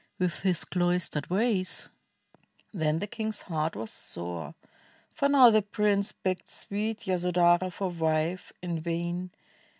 with his cloistered ways?" Then the king's heart was sore, for now the prince Begged sweet Yasodhara for wife — in vain.